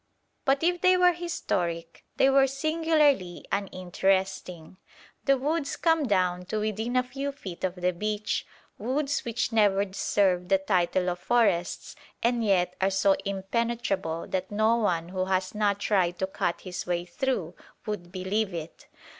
But if they were historic, they were singularly uninteresting. The woods come down to within a few feet of the beach, woods which never deserve the title of forests and yet are so impenetrable that no one who has not tried to cut his way through would believe it.